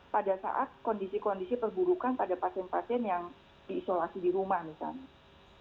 pada saat kondisi kondisi perburukan pada pasien pasien yang diisolasi di rumah misalnya